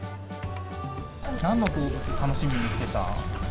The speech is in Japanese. なんの動物楽しみにしてた？